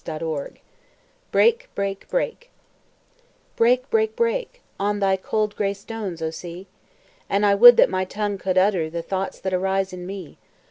LOWELL BREAK, BREAK, BREAK Break, break, break, On thy cold gray stones, O Sea! And I would that my tongue could utter The thoughts that arise in me.